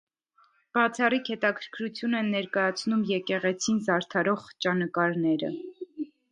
Բացառիկ հետաքրքրություն են ներկայացնում եկեղեցին զարդարող խճանկարները։